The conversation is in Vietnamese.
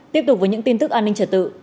tiếp tục với những tin tức an ninh trật tự